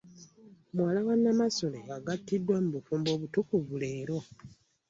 Muwala wa Namasole agattiddwa mu bufumbo obutukuvu leero